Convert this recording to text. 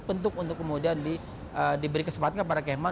bentuk untuk kemudian diberi kesempatan kepada kemh